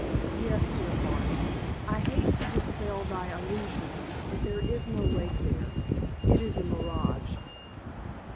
"Yes, dear heart, I hate to dispel thy illusion, but there is no lake there. It is a mirage."